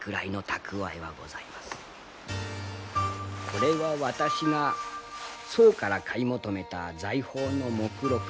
これは私が宋から買い求めた財宝の目録。